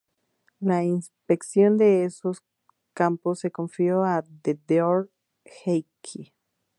La inspección de esos campos se confió a Theodor Eicke.